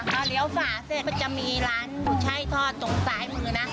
พอเลี้ยวฝาเสร็จก็จะมีร้านกุช่ายทอดตรงซ้ายมือนะ